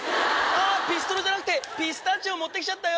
ピストルじゃなくてピスタチオ持って来ちゃったよ。